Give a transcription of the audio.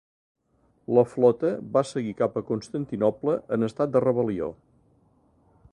La flota va seguir cap a Constantinoble en estat de rebel·lió.